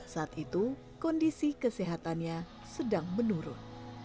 saat itu kondisi kesehatannya sedang menurun